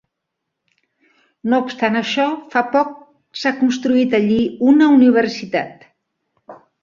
No obstant això, fa poc s'ha construït allí una universitat.